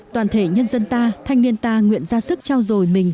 toàn thể nhân dân ta thanh niên ta nguyện ra sức trao dồi mình